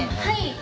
はい。